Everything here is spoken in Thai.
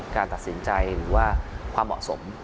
การตัดสินใจหรือว่าความเหมาะสม